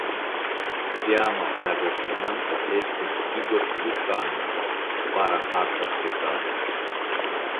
Teama flagotenanto estis "Igor Lukanin" (para arta sketado).